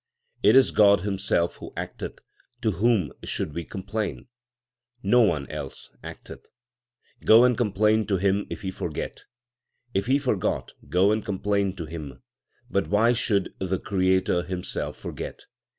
It is God Himself who acteth ; to whom should we complain ? No one else acteth. Go and complain to Him if He forget. If He forget, go and complain to Him ; but why should the Creator Himself forget